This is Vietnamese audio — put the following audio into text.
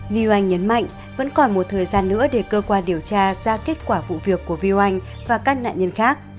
li oanh nhấn mạnh vẫn còn một thời gian nữa để cơ quan điều tra ra kết quả vụ việc của viu anh và các nạn nhân khác